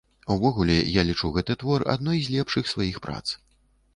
Увогуле, я лічу гэты твор адной з лепшых сваіх прац.